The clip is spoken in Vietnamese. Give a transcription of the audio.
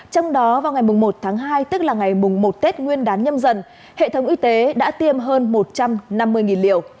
trong đó vào ngày một tháng hai tức là ngày một tết nguyên đán nhâm dần hệ thống y tế đã tiêm hơn một trăm năm mươi liều